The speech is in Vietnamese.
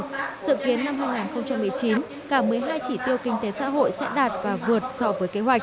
dự kiến năm hai nghìn một mươi chín cả một mươi hai chỉ tiêu kinh tế xã hội sẽ đạt và vượt so với kế hoạch